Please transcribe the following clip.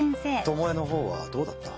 トモエのほうはどうだった？